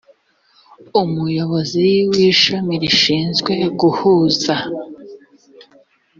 umuyobozi w ishami rishinzwe guhuza